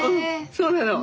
そうなの。